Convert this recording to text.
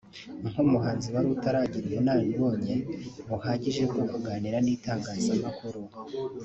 nk’umuhanzi wari utaragira ubunararibonye buhagije bwo kuganira n’itangazamakuru